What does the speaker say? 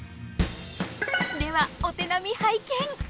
ではお手並み拝見。